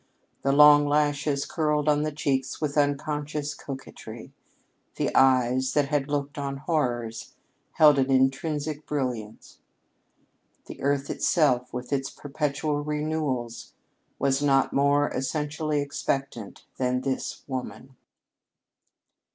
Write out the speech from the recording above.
The long lashes curled on the cheeks with unconscious coquetry; the eyes, that had looked on horrors, held an intrinsic brilliance. The Earth itself, with its perpetual renewals, was not more essentially expectant than this woman.